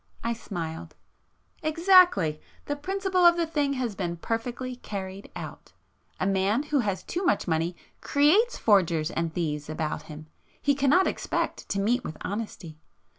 I smiled. "Exactly! The principle of the thing has been perfectly carried out. A man who has too much money creates forgers and thieves about him,—he cannot expect to meet with honesty.